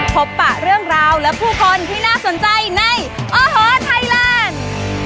ปะเรื่องราวและผู้คนที่น่าสนใจในโอ้โหไทยแลนด์